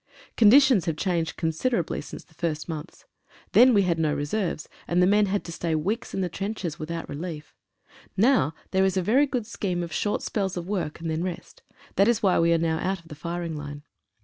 Conditions have changed considerably since the first months. Then we had no reserves, and the men had to stay weeks in the trenches, without relief — now there is a very good scheme of short spells of work, and then rest. That is why we are now out of the firing line.